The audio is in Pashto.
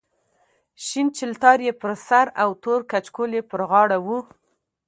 شین چلتار یې پر سر او تور کچکول یې پر غاړه و.